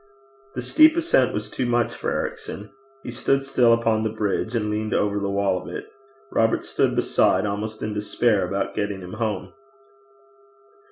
The steep ascent was too much for Ericson. He stood still upon the bridge and leaned over the wall of it. Robert stood beside, almost in despair about getting him home.